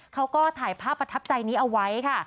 เขาก็ถ่ายภาพประทับใจนี้เอาไว้ค่ะ